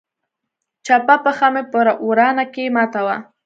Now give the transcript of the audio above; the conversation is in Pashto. چپه پښه مې په ورانه کښې ماته وه.